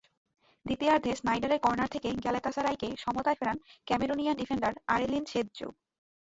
দ্বিতীয়ার্ধে স্নাইডারের কর্নার থেকে গ্যালাতাসারাইকে সমতায় ফেরান ক্যামেরুনিয়ান ডিফেন্ডার আরেলিন শেদজু।